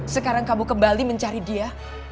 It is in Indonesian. sekarang kamu kembali mencari dia